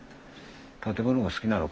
建物が好きなのかい？